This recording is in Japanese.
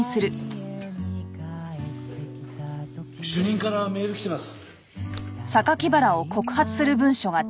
主任からメール来てます。